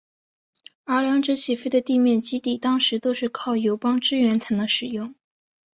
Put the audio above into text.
而两者起飞的地面基地当时都是靠友邦支援才能使用。